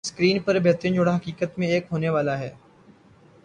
screen پر بہترین جوڑا حقیقت میں ایک ہونے والا ہے